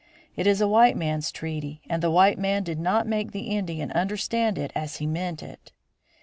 It is a white man's treaty, and the white man did not make the Indian understand it as he meant it."